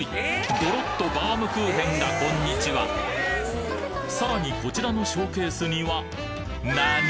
どろっとバームクーヘンがこんにちはさらにこちらのショーケースにはなに！？